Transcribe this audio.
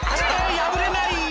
破れない！